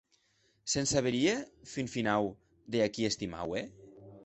Se’n saberie, fin finau, de a qui estimaue?